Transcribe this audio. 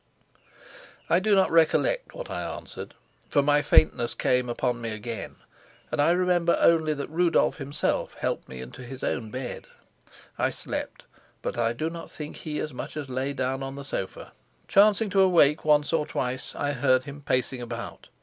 I do not recollect what I answered, for my faintness came upon me again, and I remember only that Rudolf himself helped me into his own bed. I slept, but I do not think he so much as lay down on the sofa; chancing to awake once or twice, I heard him pacing about.